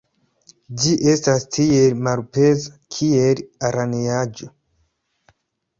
Ĝi estas tiel malpeza, kiel araneaĵo!